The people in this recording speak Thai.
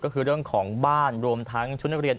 ก็คือเรื่องของบ้านรวมทั้งชุดนักเรียน